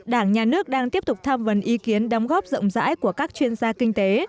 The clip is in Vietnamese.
đảng nhà nước đang tiếp tục tham vấn ý kiến đóng góp rộng rãi của các chuyên gia kinh tế